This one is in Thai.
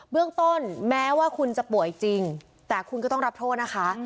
เรื่องต้นแม้ว่าคุณจะป่วยจริงแต่คุณก็ต้องรับโทษนะคะ